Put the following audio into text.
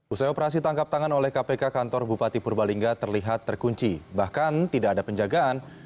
usai operasi tangkap tangan oleh kpk kantor bupati purbalingga terlihat terkunci bahkan tidak ada penjagaan